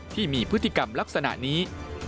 ที่มีพฤติกรรมลักษณะนี้